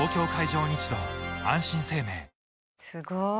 すごい。